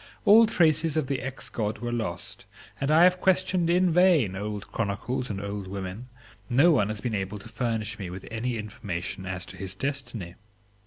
All traces of the ex God were lost, and I have questioned in vain old chronicles and old women; no one has been able to furnish me with any information as to his destiny.